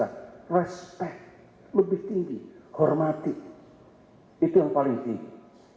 dan tanggal rasa respect lebih tinggi hormati itu yang paling tinggi